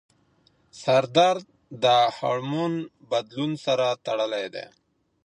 سردرد د هارمون بدلون سره تړلی دی.